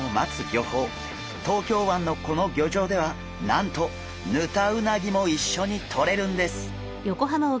東京湾のこの漁場ではなんとヌタウナギもいっしょにとれるんです。